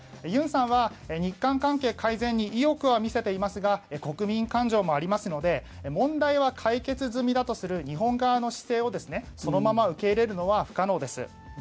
尹さんは日韓関係改善に意欲は見せていますが国民感情もありますので問題は解決済みだとする日本側の姿勢をそのまま受け入れるのは不可能です。